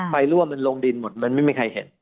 รั่วมันลงดินหมดมันไม่มีใครเห็น